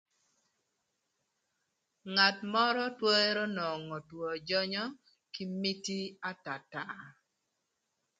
Ngat mörö twërö nongo two jönyö kï miti atata.